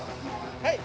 はい。